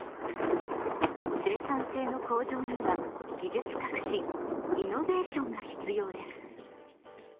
生産性の向上には技術革新イノベーションが必要です。